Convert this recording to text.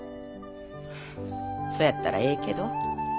はあそやったらええけど。